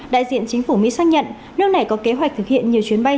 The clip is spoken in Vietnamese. đại diện chính phủ mỹ xác nhận nước này có kế hoạch thực hiện nhiều chuyến bay